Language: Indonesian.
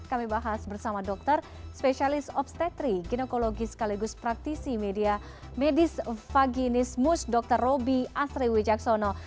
kami bahas bersama dokter spesialis obstetri ginekologi sekaligus praktisi media medis faginismus dr roby asri wijaksono